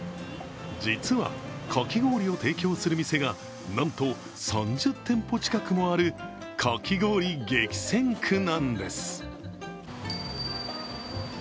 実は、かき氷を提供する店がなんと３０店舗近くもあるかき氷激戦区なんです。